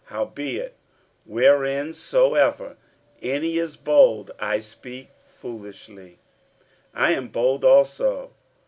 Howbeit whereinsoever any is bold, (I speak foolishly,) I am bold also.